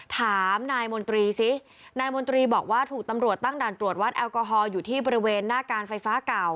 ถามนายมนตรีซิบอกว่าถูกตำรวจตั้งอยู่หน้าการไฟฟ้าเก่า